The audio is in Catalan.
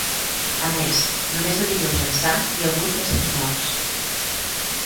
A més, només de dilluns ençà hi ha hagut tres-cents morts.